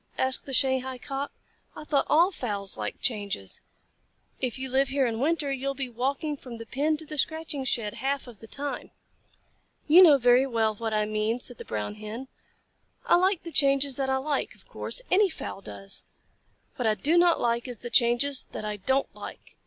asked the Shanghai Cock. "I thought all fowls liked changes. If you live here in winter, you will be walking from the pen to the scratching shed half of the time." "You know very well what I mean," said the Brown Hen. "I like the changes that I like, of course. Any fowl does. What I do not like is the changes that I don't like."